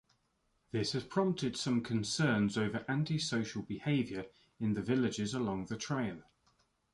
This has prompted some concerns over anti-social behaviour in the villages along the Trail.